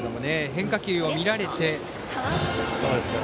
変化球を見られて。